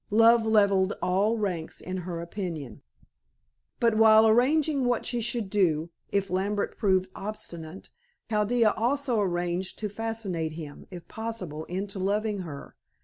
Love levelled all ranks, in her opinion. But while arranging what she should do, if Lambert proved obstinate, Chaldea also arranged to fascinate him, if possible, into loving her.